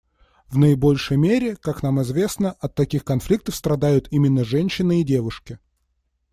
В наибольшей мере, как нам известно, от таких конфликтов страдают именно женщины и девушки.